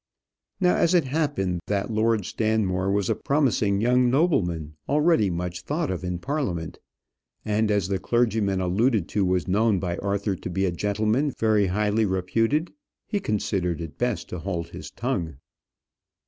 Now, as it happened that Lord Stanmore was a promising young nobleman, already much thought of in Parliament, and as the clergyman alluded to was known by Arthur to be a gentleman very highly reputed, he considered it best to hold his tongue.